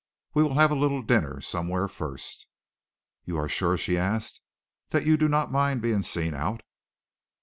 "We will have a little dinner somewhere first." "You are sure," she asked, "that you do not mind being seen out?"